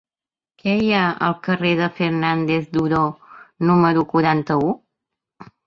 Què hi ha al carrer de Fernández Duró número quaranta-u?